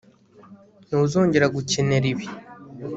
ntuzongera gukenera ibi